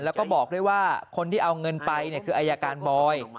แล้วก็บอกด้วยว่าคนที่เอาเงินไปคืออายการบอย